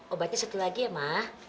obatnya satu lagi ya mah